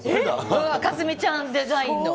佳純ちゃんデザインの。